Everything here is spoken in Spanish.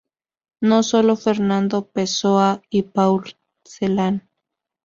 No sólo Fernando Pessoa y Paul Celan.